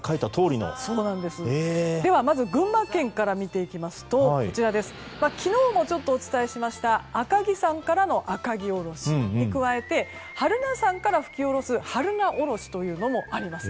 では、まず群馬県から見ていきますと昨日もちょっとお伝えしました赤城山からの赤城おろしに加え榛名山から吹きおろす榛名おろしもあります。